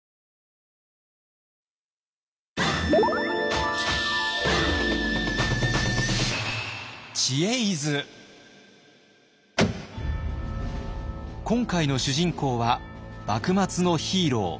今回の主人公は幕末のヒーロー坂本龍馬。